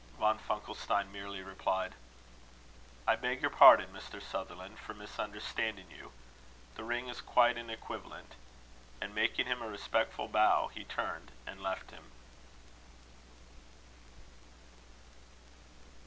Von Funkelstein merely replied: "I beg your pardon, Mr. Sutherland, for misunderstanding you. The ring is quite an equivalent." And making him a respectful bow, he turned and left him.